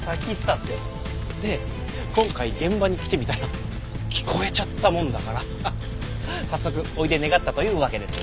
で今回現場に来てみたら聞こえちゃったもんだから早速おいで願ったというわけです。